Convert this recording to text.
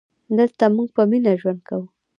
دلته مونږ په مینه ژوند کوو